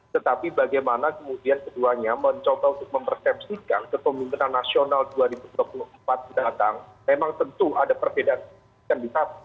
tetapi bagaimana kemudian keduanya mencoba untuk mempersepsikan ketemuan nasional dua ribu dua puluh empat yang datang memang tentu ada perbedaan